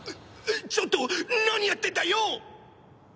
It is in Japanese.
ちょっと何やってんだよ！